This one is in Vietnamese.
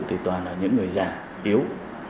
thì toàn là những người già yếu